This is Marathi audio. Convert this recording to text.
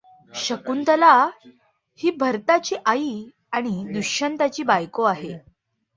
शकुंतला ही भरताची आई आणि दुष्यंताची बायको आहे.